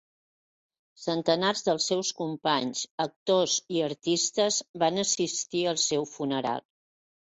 Centenars dels seus companys actors i artistes van assistir al seu funeral.